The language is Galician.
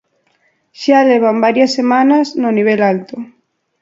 Xa levan varias semana no nivel alto.